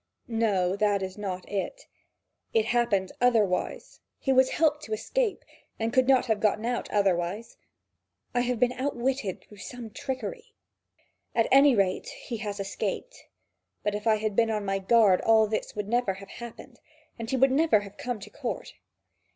No, that is not it: it happened otherwise: he was helped to escape, and could not have got out otherwise: I have been outwitted through some trickery. At any rate, he has escaped; but if I had been on my guard, all this would never have happened, and he would never have come to court.